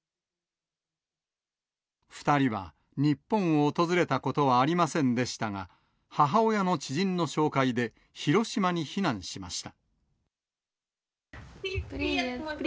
２人は日本を訪れたことはありませんでしたが、母親の知人の紹介で、広島に避難しました。